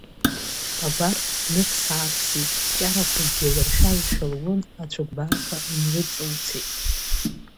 Агәарԥ днықәс-аақәсит, кәҷарақәакгьы лыршәазшәа лун, ацәыкәбарқәа инрыҵылцеит.